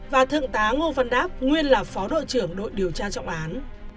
và thượng tá ngô văn đáp nguyên là phó đội trưởng đội điều tra trọng án